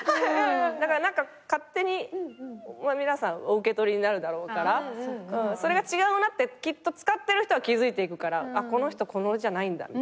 だから勝手に皆さんお受け取りになるだろうからそれが違うなってきっと使ってる人は気付いていくからこの人このノリじゃないんだみたいな。